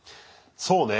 そうね。